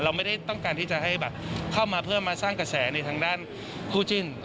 เราไม่ได้ต้องการที่จะให้แบบเข้ามาเพื่อมาสร้างกระแสในทางด้านคู่จิ้น